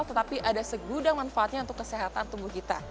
tetapi ada segudang manfaatnya untuk kesehatan tubuh kita